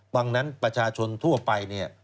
ดังนั้นประชาชนทั่วไปเนี่ย